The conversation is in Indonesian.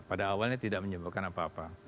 pada awalnya tidak menyebutkan apa apa